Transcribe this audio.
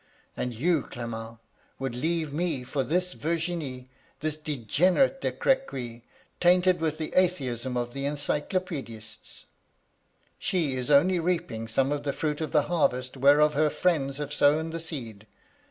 And you, Clement, would leave me for this Virginie, — this degenerate De Cr^uy, tainted with the atheism of the Encyclopedistes I She is only reaping some of the firuit of the harvest whereof her friends have sown the seed.